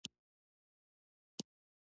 ډېر سخت باد ولګېد.